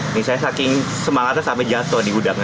ini saya saking semangatnya sampai jatuh di gudang